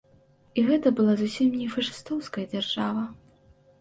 І гэта была зусім не фашыстоўская дзяржава.